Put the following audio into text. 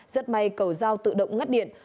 rất may cầu giao tự động ngắt điện